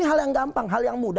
ini hal yang gampang hal yang mudah